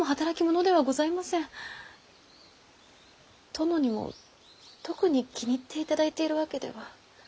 殿にも特に気に入っていただいているわけでは。